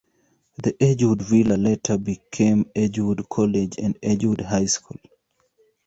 The Edgewood Villa later became Edgewood College and Edgewood High School.